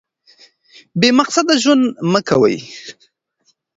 بې مقصده ژوند مه کوئ.